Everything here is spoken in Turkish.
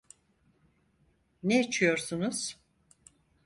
Ne içiyorsunuz?